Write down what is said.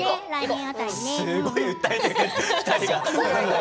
すごい訴えてる。